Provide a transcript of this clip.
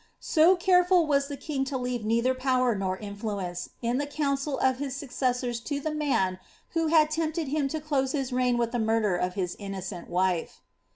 * So care i was the king to leave neither power nor influence, in the council of a successors to the man who had tempted him to close his reign with e murder of his innocent wife.